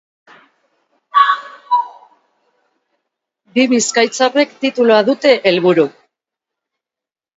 Bi bizkaitarrek tituloa dute helburu.